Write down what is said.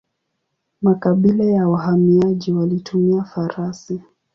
Makabila ya wahamiaji walitumia farasi.